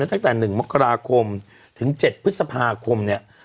ตั้งแต่๑มกราคมถึง๗พฤษภาคมเนี่ย